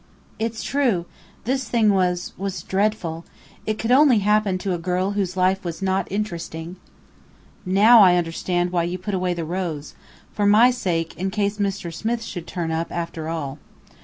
"It's true! This thing was was dreadful. It could happen only to a girl whose life was not interesting." "Now I understand why you put away the rose for my sake, in case Mr. Smith should turn up, after all.